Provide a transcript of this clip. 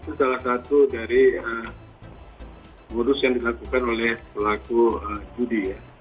itu salah satu dari modus yang dilakukan oleh pelaku judi ya